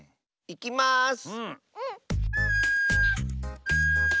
いきます。